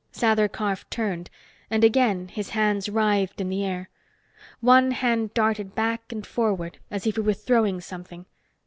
Sather Karf turned, and again his hands writhed in the air. One hand darted back and forward, as if he were throwing something.